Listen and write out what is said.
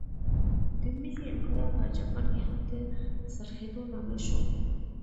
د میجي انقلاب په جاپان کې هم د څرخېدو لامل شو.